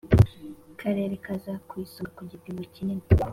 Karere Kaza Ku Isonga Ku Gipimo Kinini